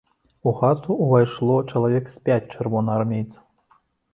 У хату ўвайшло чалавек з пяць чырвонаармейцаў.